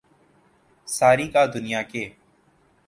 ساری کا دنیا کے